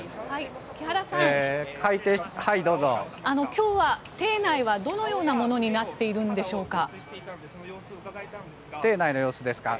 今日は廷内はどのようなものになっているんでしょうか。